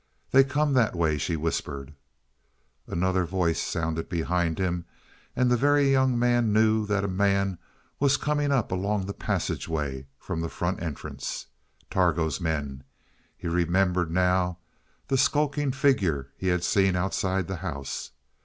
"They come that way," she whispered. Another voice sounded behind him and the Very Young Man knew that a man was coming up along the passageway from the front entrance. Targo's men! He remembered now the skulking figure he had seen outside the house.